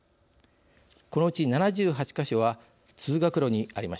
このうち７８か所は通学路にありました。